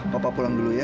papa pulang dulu ya